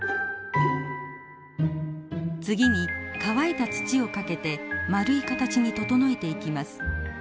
次に乾いた土をかけて丸い形に整えていきます。